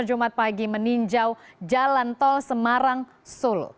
jumat pagi meninjau jalan tol semarang solo